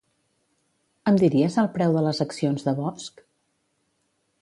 Em diries el preu de les accions de Bosch?